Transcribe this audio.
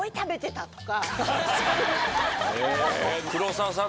黒沢さん